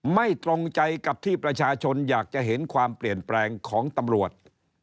ไม่ตรงใจกับที่ประชาชนอยากจะเห็นความเปลี่ยนแปลงของตำรวจ